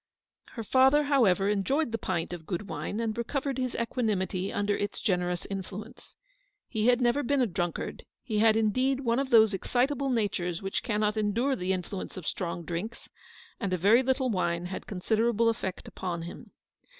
Her father, however, enjoyed the pint of good wine, and recovered his equanimity under its generous influence. He had never been a drunkard; he had indeed one of those excitable natures which cannot endure the influence of strong drinks, and a very little wine had consi derable effect upon him.